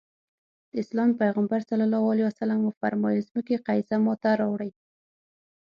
د اسلام پيغمبر ص وفرمايل ځمکې قضيه ماته راوړي.